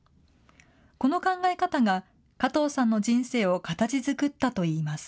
この考え方が加藤さんの人生を形づくったといいます。